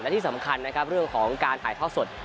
และที่สำคัญนะครับเรื่องของการถ่ายทอดสด